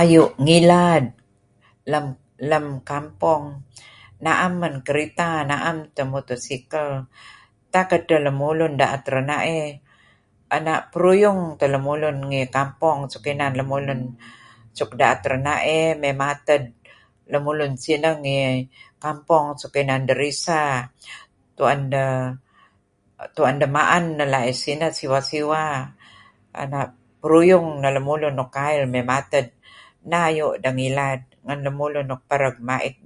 Ayu' ngila... d lem, lem kampong, na'em men kerita, na'em teh mutu sikal. Tak edteh lemulun da'et rana'ey, ena' peruyung teh lemulun ngih kampong suk inan lemulun suk da'et rena'ey mey mated lemulun sineh ngih kampong suk inan derisa. Tu'en deh, tu'en deh ma'en neh la'h sineh. Siwa-siwa. Ena'...peruyung neh lemulun nuk kail mey mated. Neh ayu' deh deh ngilad ngen lemulun nuk pereg mait.